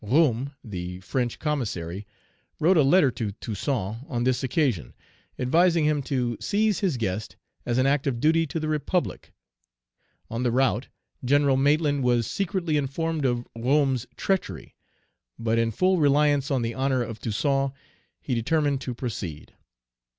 Roume, the French commissary, wrote a letter to Toussaint on this occasion, advising him to seize his guest as an act of duty to the Republic; on the route, General Maitland was secretly informed of Roume's treachery; but, in full reliance on the honor of Toussaint, he determined to proceed.